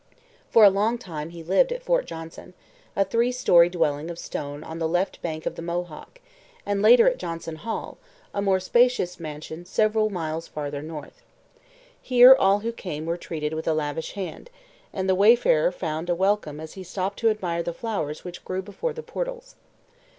For a long time he lived at Fort Johnson, a three storey dwelling of stone on the left bank of the Mohawk, and later at Johnson Hall, a more spacious mansion several miles farther north. Here all who came were treated with a lavish hand, and the wayfarer found a welcome as he stopped to admire the flowers which grew before the portals.